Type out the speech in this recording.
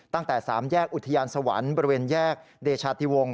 ตั้งแต่๓แยกอุทยานสวรรค์บริเวณแยกเดชาติวงศ